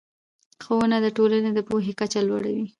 ښوونه د ټولنې د پوهې کچه لوړه وي